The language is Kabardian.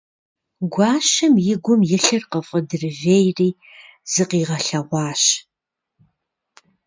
Гуащэм и гум илъыр къыфӀыдривейри, зыкъигъэлъэгъуащ.